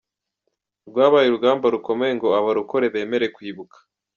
Rwabaye urugamba rukomeye ngo abarokore bemere kwibuka .